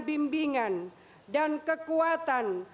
bimbingan dan kekuatan